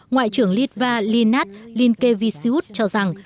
ngoại trưởng litva linat linkevisiut cho rằng